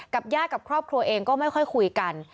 ญาติกับครอบครัวเองก็ไม่ค่อยคุยกัน